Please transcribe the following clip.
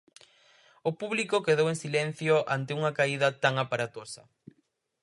O público quedou en silencio ante unha caída tan aparatosa.